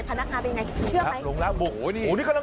พนักงานเป็นไงเชื่อไหม